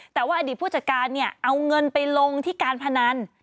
แต่ว่าอดีตผู้จัดการเนี่ยเอาเงินไปลงที่การพนัน